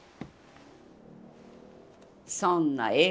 そんなええ